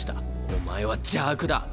お前は邪悪だ。